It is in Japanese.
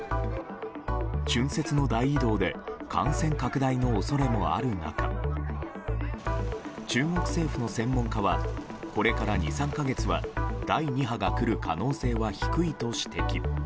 春節の大移動で感染拡大の恐れもある中中国政府の専門家はこれから２３か月は第２波が来る可能性は低いと指摘。